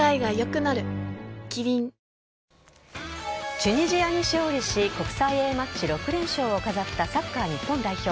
チュニジアに勝利し国際Ａマッチ６連勝を飾ったサッカー日本代表。